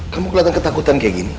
kamu kelihatan ketakutan kayak gini